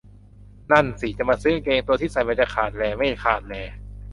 นั่นสิ จะมาซื้อกางเกง ตัวที่ใส่มันจะขาดแหล่ไม่ขาดแหล่